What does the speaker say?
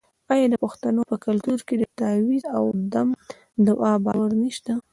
آیا د پښتنو په کلتور کې د تعویذ او دم دعا باور نشته؟